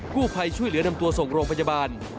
ผู้ภัยช่วยเหลือนำตัวส่งโรงพยาบาล